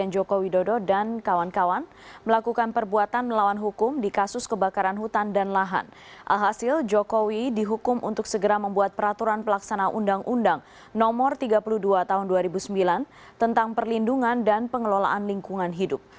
alhasil jokowi dihukum untuk segera membuat peraturan pelaksana undang undang no tiga puluh dua tahun dua ribu sembilan tentang perlindungan dan pengelolaan lingkungan hidup